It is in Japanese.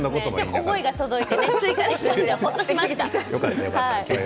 思いが届いて追加できてほっとしました。